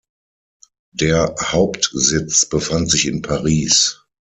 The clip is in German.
Der Hauptsitz befand sich in Paris.